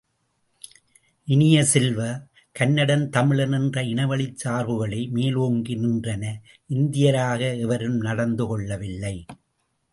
இனிய செல்வ, கன்னடன், தமிழன் என்ற இனவழிச் சார்புகளே மோலோங்கி நின்றன இந்தியராக எவரும் நடந்து கொள்ளவில்லை.